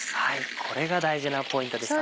これが大事なポイントです